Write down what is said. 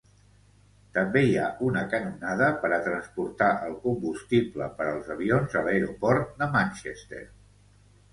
També hi ha una canonada per a transportar el combustible per als avions a l'aeroport de Manchester.